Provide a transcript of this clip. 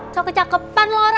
so kecapepan loh ra